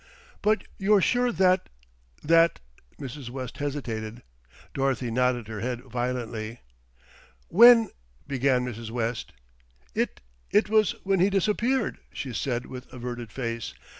"But you're sure that that " Mrs. West hesitated. Dorothy nodded her head violently. "When " began Mrs. West. "It it was when he disappeared," she said with averted face.